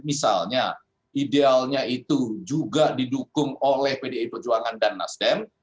misalnya idealnya itu juga didukung oleh pdi perjuangan dan nasdem